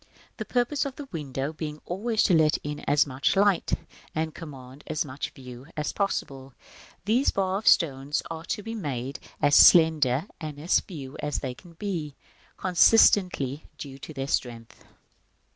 § V. The purpose of the window being always to let in as much light, and command as much view, as possible, these bars of stone are to be made as slender and as few as they can be, consistently with their due strength.